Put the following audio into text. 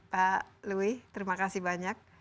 pak louis terima kasih banyak